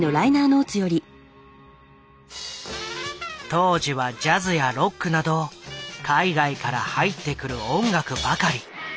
当時はジャズやロックなど海外から入ってくる音楽ばかり。